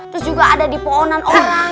terus juga ada di pohonan orang